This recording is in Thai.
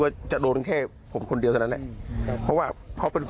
มีคนที่ขุดที่อยู่นจอด